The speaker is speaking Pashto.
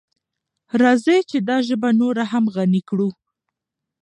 راځئ چې دا ژبه نوره هم غني کړو.